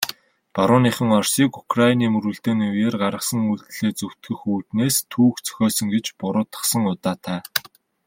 Барууныхан Оросыг Украины мөргөлдөөний үеэр гаргасан үйлдлээ зөвтгөх үүднээс түүх зохиосон гэж буруутгасан удаатай.